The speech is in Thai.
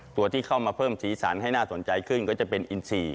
ตัวที่เข้ามาเพิ่มสีสันให้น่าสนใจขึ้นก็จะเป็นอินทรีย์